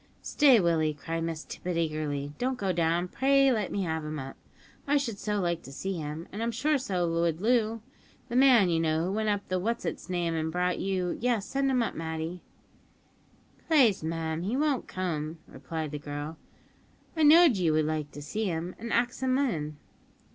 "Stay, Willie," cried Miss Tippet eagerly; "don't go down. Pray let me have him up; I should so like to see him, and I'm sure so would Loo; the man, you know, who went up the what's its name, and brought you yes, send him up, Matty." "Plaze, mim, he won't come," replied the girl, "I know'd ye would like to see him, an' axed him in."